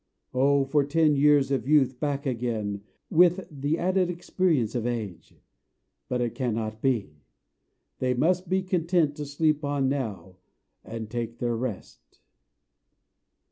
Oh for ten years of youth back again with the added experience of age! But it cannot be: they must be content to sleep on now and take their rest.